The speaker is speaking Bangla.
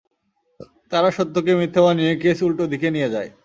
তারা সত্যকে মিথ্যা বানিয়ে কেস উল্টো দিকে নিয়ে যায়।